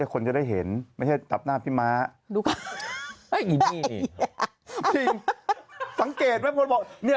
แต่คุณแม่มันตีอวบนะคุณแม่ตอนนี้